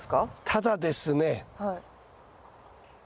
ただですね右。